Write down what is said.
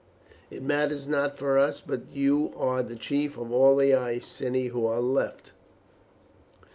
It matters not for us, but you are the chief of all the Iceni who are left."